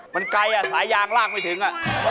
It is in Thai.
มันไกลสายยางลากไม่ถึง